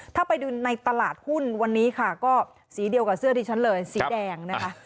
ถ้าไปดูในตลาดหุ้นวันนี้ค่ะก็สีเดียวกับเสื้อที่ฉันเลยสีแดงนะคะ